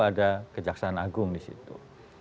ada kejaksaan agung di situ